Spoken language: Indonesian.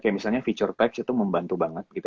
misalnya fitur text itu membantu banget